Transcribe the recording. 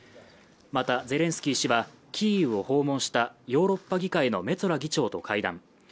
また、ゼレンスキー氏は、キーウを訪問したヨーロッパ議会のメツォラ議長と会談。